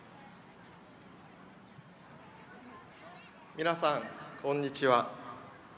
みなさん、こんにちは。